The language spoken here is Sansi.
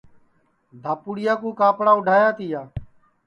دھپُوڑِیا کُو کاپڑا اُڈایا تیا